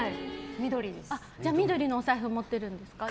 緑のお財布持ってるんですか？